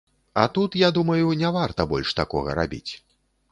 А тут, я думаю, не варта больш такога рабіць.